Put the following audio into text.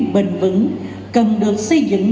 bền vững cần được xây dựng